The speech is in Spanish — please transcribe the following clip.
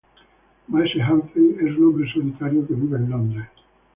Maese Humphrey es un hombre solitario que vive en Londres.